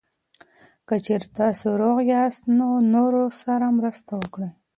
که چېرې تاسو روغ یاست، نو نورو سره مرسته وکړئ.